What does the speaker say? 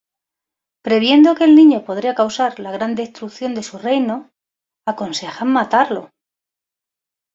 Previendo que el niño podría causar la gran destrucción de su reino, aconsejan matarlo.